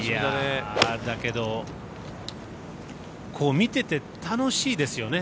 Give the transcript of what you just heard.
だけど、見てて楽しいですよね。